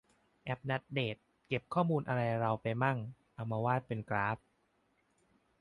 แอปนัดเดต เก็บข้อมูลอะไรเราไปมั่ง เอามาวาดเป็นกราฟ